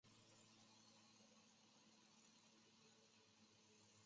在中国大陆同时受此剧影响而流行的还有飞盘游戏。